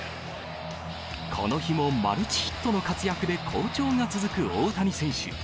この日もマルチヒットの活躍で好調が続く大谷選手。